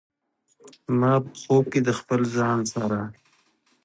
ما په خوب کې د خپل ځان سره